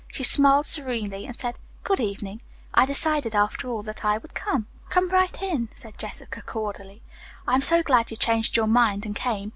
She smiled serenely and said: "Good evening. I decided, after all, that I would come." "Come right in," said Jessica cordially. "I am so glad you changed your mind and came.